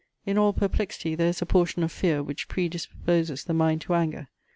In all perplexity there is a portion of fear, which predisposes the mind to anger.